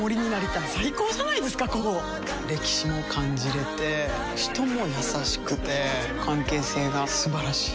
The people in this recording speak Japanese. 歴史も感じれて人も優しくて関係性が素晴らしい。